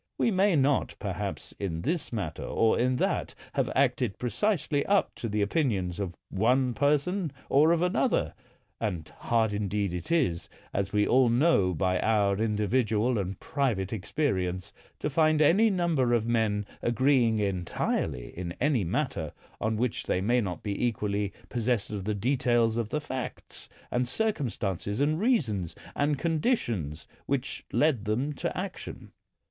We may not, perhaps, in this matter or in that, have acted precisely up to the opinions of one person or of another — and hard indeed it is, as we all know by our individual and private ex perience, to find any number of men agreeing entirely in any matter, on which they may not be equally possessed of the details of the facts, and circumstances, and reasons, and conditions which led them to action.